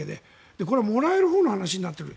これはもらえるほうの話になってくる。